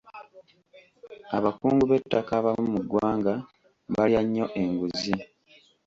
Abakungu b'ettaka abamu mu ggwanga balya nnyo enguzi.